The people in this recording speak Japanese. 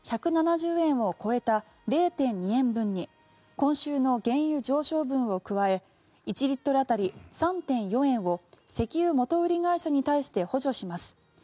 １７０円を超えた０．２円分に今週の原油上昇分を加え１リットル当たり３．４円を石油元売り会社に対して補助します。